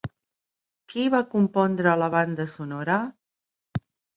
Qui va compondre la banda sonora?